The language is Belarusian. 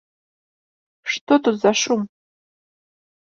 Што тут за шум?